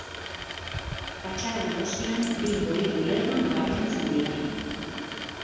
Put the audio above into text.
Fatxada nagusian bi modiloi-lerro nabarmentzen dira.